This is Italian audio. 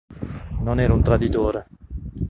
Non ero un traditore.